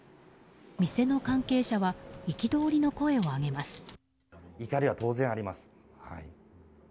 店の関係者は憤りの声を上げます。